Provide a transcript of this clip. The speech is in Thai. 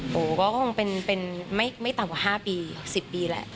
โหก็คงเป็นไม่ต่ำกว่า๕ปี๑๐ปีแหละ